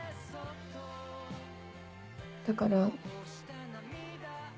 だから。